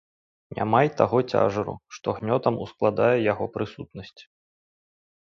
Няма й таго цяжару, што гнётам ускладае яго прысутнасць.